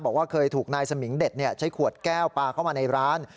บอกว่าเคยถูกนายสมิงเด็ดใช้ขวดแก้วปลาเข้ามาในร้าน